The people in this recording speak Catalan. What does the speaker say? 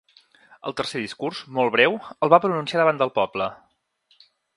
El tercer discurs, molt breu, el va pronunciar davant el poble.